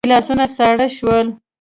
ګيلاسونه ساړه شول.